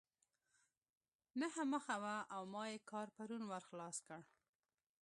نهه مخه وه او ما ئې کار پرون ور خلاص کړ.